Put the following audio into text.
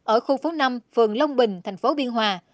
ở khu phố năm phường long bình tp biên hòa